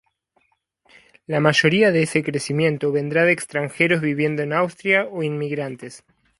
La mayoría de ese crecimiento vendrá de extranjeros viviendo en Austria o inmigrantes.